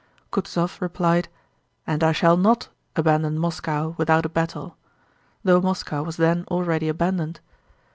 Kutúzov replied: "And I shall not abandon Moscow without a battle," though Moscow was then already abandoned.